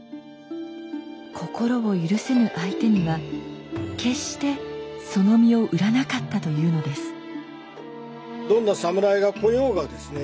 心を許せぬ相手には決してその身を売らなかったというのです。